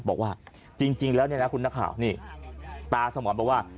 บอกว่าจริงแล้วเนี่ยนะคุณนักข่าวนี่ตาสมรบอกว่า